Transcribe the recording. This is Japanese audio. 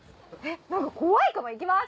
何か怖いかも行きます。